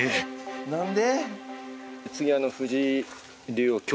何で？